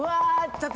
ちょっと。